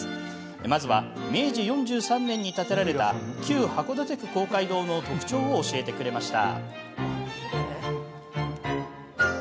まずは明治４３年に建てられた旧函館区公会堂の特徴を教えてくれました。